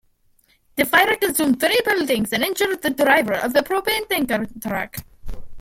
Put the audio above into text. The fire consumed three buildings and injured the driver of the propane tanker truck.